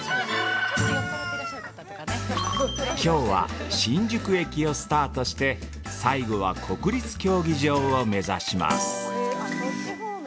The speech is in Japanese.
きょうは新宿駅をスタートして最後は国立競技場を目指します。